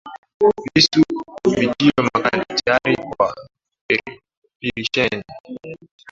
Visu vitiwe makali, tayari kwa pirisheni,